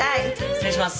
失礼します。